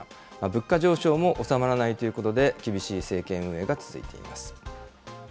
物価上昇も収まらないということで、厳しい政権運営が続いています。